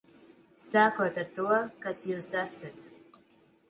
Sākot ar to, kas jūs esat.